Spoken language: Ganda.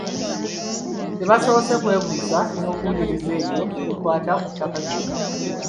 Tebasoose kwebuuza n'okuwuliriza ebyo ebikwata ku ttaka lino.